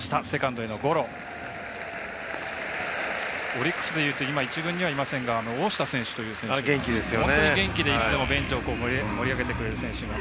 オリックスで言うと今１軍にはいませんが大下選手という選手が元気でいつでもベンチを盛り上げてくれる選手が。